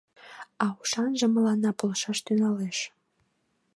А ушанже мыланна полшаш тӱҥалеш.